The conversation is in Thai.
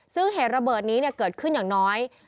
ซึ่งเหตุระเบิดนี้เกิดขึ้นอย่างน้อย